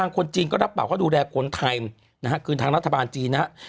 คนจีนรับเป่าดูแรกคนไทยทางนัฐบาลจีนครับ